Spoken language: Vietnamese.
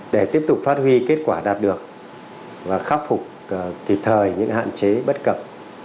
để tiếp tục phát huy kết quả đạt được và khắc phục kịp thời những hạn chế bất cập